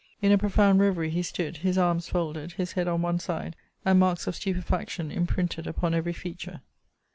In a profound reverie he stood, his arms folded, his head on one side, and marks of stupefaction imprinted upon every feature.